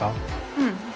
うん。